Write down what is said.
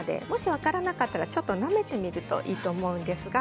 分からなかったらちょっとなめてみるといいと思います。